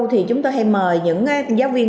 thì chúng tôi hay mời những giáo viên